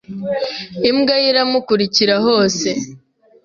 Imbwa ya iramukurikira hose.